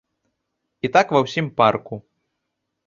І так ва ўсім парку.